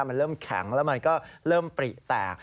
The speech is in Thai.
มันเริ่มแข็งแล้วมันก็เริ่มปริแตก